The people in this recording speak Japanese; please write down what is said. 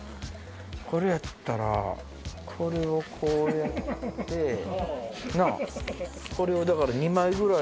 これやったらこれをこうやってなぁ！